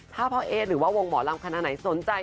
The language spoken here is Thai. ถ้าพ่อเอ๊หรือว่าวงหมอลำขนาดไหนสนใจ